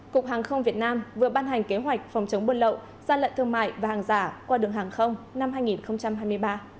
cục hàng không việt nam vừa ban hành kế hoạch phòng chống buôn lậu gian lận thương mại và hàng giả qua đường hàng không năm hai nghìn hai mươi ba